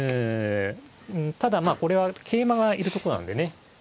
ただまあこれは桂馬がいるとこなんでね。